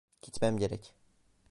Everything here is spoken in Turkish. Gitmem gerek.